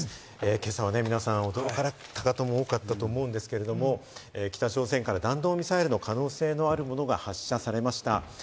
今朝は皆さん、驚かれたかと思うんですが、北朝鮮から弾道ミサイルの可能性があるものが発射されました。